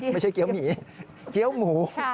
ไม่ใช่เกี้ยวหมีเกี้ยวหมู